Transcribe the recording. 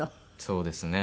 そうですね。